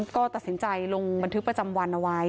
ก็ตัดสินใจลงบันทึกประจำวันเอาไว้